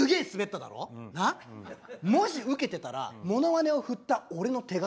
もしウケてたらものまねを振った俺の手柄なんだよ。